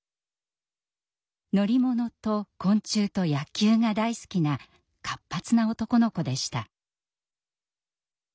乗り物と昆虫と野球が大好きな活発な男の子でした。